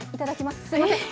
すいません。